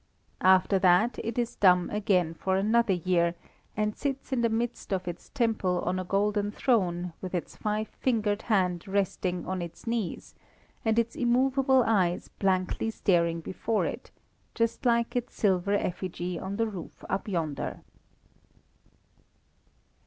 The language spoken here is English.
After that it is dumb again for another year, and sits in the midst of its temple on a golden throne with its five fingered hand resting on its knees, and its immovable eyes blankly staring before it, just like its silver effigy on the roof up yonder.